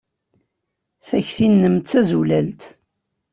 Takti-nnem d tazulalt.